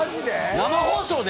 生放送で？